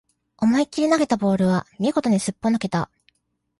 思いっきり投げたボールは見事にすっぽ抜けた